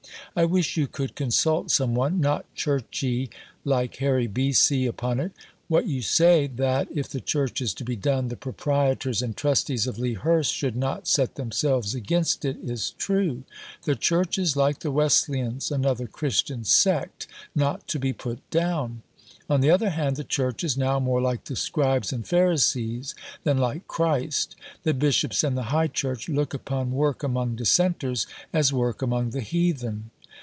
I wish you could consult some one, not Church y, like Harry B. C., upon it. What you say that, if the Church is to be done, the proprietors and trustees of Lea Hurst should not set themselves against it is true. The Church is like the Wesleyans, another Christian sect not to be put down. On the other hand, the Church is now more like the Scribes and Pharisees than like Christ. The Bishops and the High Church look upon work among Dissenters as work among the heathen.